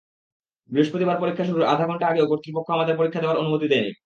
বৃহস্পতিবার পরীক্ষা শুরুর আধা ঘণ্টা আগেও কর্তৃপক্ষ আমাদের পরীক্ষা দেওয়ার অনুমতি দেয়নি।